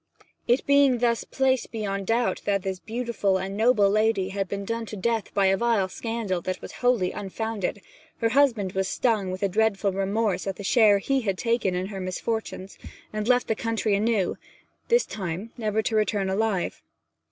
It being thus placed beyond doubt that this beautiful and noble lady had been done to death by a vile scandal that was wholly unfounded, her husband was stung with a dreadful remorse at the share he had taken in her misfortunes, and left the country anew, this time never to return alive.